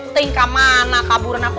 tingkah mana kaburan aku